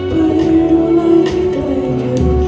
ไปด้วยและใกล้ทาน